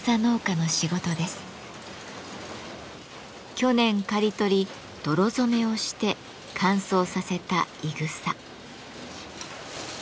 去年刈り取り泥染めをして乾燥させたいぐさ。